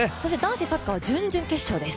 男子サッカーは準々決勝です。